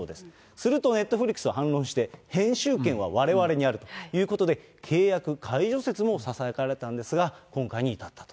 すると、ネットフリックスは反論して、編集権はわれわれにあるということで、契約解除説もささやかれたんですが、今回に至ったと。